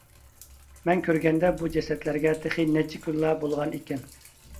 مەن كۆرگەندە بۇ جەسەتلەرگە تېخى نەچچە كۈنلا بولغان ئىكەن.